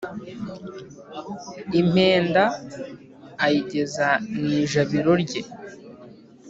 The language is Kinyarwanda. Impenda ayigeza mu ijabiro rye.